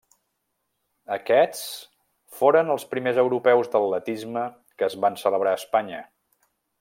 Aquests foren els primers europeus d'atletisme que es van celebrar a Espanya.